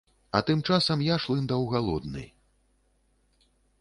А тым часам я шлындаў галодны.